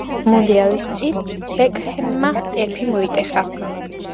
მუნდიალის წინ ბეკჰემმა ტერფი მოიტეხა.